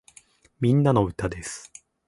みんなの歌です